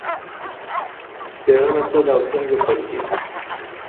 څېړنه څه ده او څنګه پیل کېږي؟